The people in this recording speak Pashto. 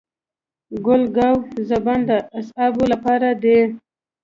ګل ګاو زبان د اعصابو لپاره دی.